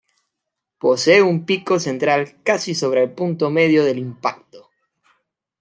Posee un pico central casi sobre el punto medio del impacto.